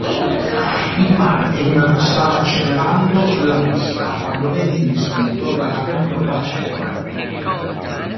Il Martin stava accelerando sulla pista quando venne investito dalla perturbazione.